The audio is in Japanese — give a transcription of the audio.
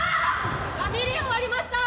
バミリ終わりました。